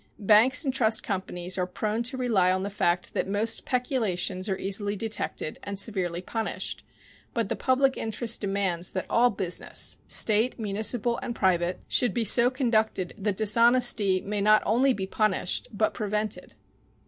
Banks and trust companies are prone to rely on the fact that most peculations are easily detected and severely punished, but the public interest demands that all business, State, municipal and private, should be so conducted that dishonesty may not only be punished, but prevented.